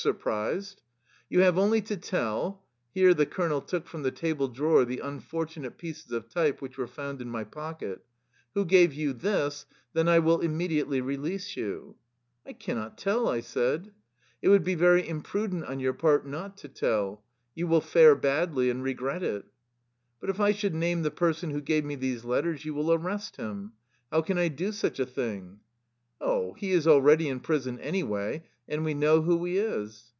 2 A dark, windowless cell, in which prisoners are kept on bread and water. 62 THE LIFE STOKY OF A RUSSIAN EXILE " You have only to tell —'^ here the colonel took from the table drawer the unfortunate pieces of type which were found in my pocket, " who gave you this, then I will immediately release you." " I cannot tell," I said. " It would be very imprudent on your part not to tell. You will fare badly, and regret it." " But if I should name the person who gave me these letters you will arrest him. How can I do such a thing? "^' Oh, he is already in prison, anyway, and we know who he is."